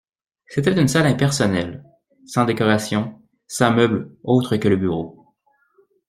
C’était une salle impersonnelle, sans décoration, sans meuble autre que le bureau